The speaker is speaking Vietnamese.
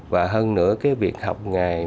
và hơn nữa cái việc học nghề mà ở tại đó